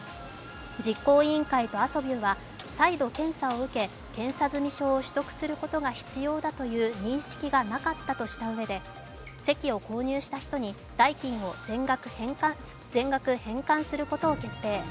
実行委員会とアソビューは再度検査を受け検査済み証を取得することが必要だという認識がなかったとしたうえで、席を購入した人に代金を全額返還することを決定。